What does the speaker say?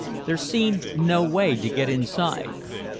There seemed no way to get inside.